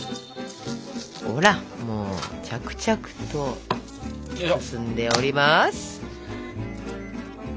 ほらもう着々と進んでおります！